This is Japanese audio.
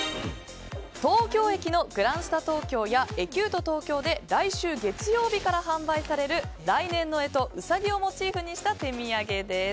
東京駅のグランスタ東京やエキュート東京で来週月曜日から販売される来年の干支のウサギをモチーフにした手土産です。